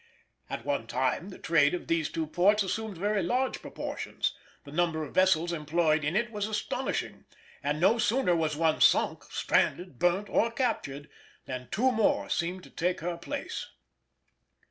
At one time the trade of these two ports assumed very large proportions; the number of vessels employed in it was astonishing, and no sooner was one sunk, stranded, burnt, or captured than two more seemed to take her place.